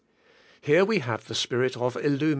Here we have the Spirit of illumi?